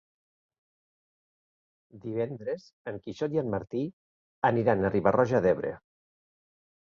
Divendres en Quixot i en Martí aniran a Riba-roja d'Ebre.